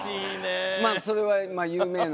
まあそれは有名な。